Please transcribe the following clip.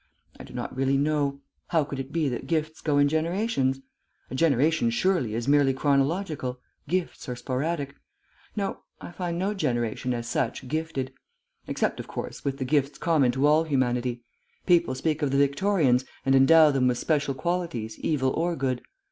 I do not really know. How could it be that gifts go in generations? A generation, surely, is merely chronological. Gifts are sporadic. No, I find no generation, as such, gifted. Except, of course, with the gifts common to all humanity.... People speak of the Victorians, and endow them with special qualities, evil or good.